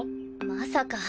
まさか。